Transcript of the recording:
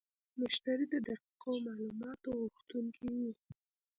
مشتری د دقیقو معلوماتو غوښتونکی وي.